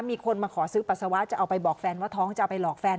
มีคนมาขอซื้อปัสสาวะจะเอาไปบอกแฟนว่าท้องจะเอาไปหลอกแฟน